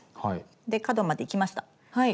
で角までいきました。